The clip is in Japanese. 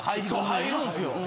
入るんですよ。